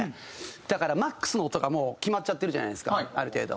だからマックスの音がもう決まっちゃってるじゃないですかある程度。